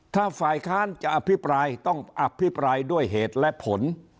ถ้าฝ่ายค้านจะอภิปรายต้องอภิปรายด้วยเหตุและผล